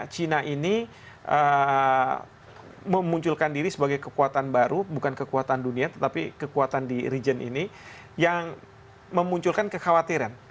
china ini memunculkan diri sebagai kekuatan baru bukan kekuatan dunia tetapi kekuatan di region ini yang memunculkan kekhawatiran